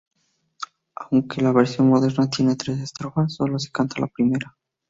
Aunque la versión moderna tiene tres estrofas, sólo se canta la primera.